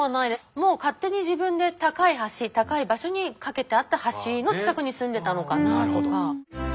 もう勝手に自分で高い橋高い場所に架けてあった橋の近くに住んでいたのかなとか。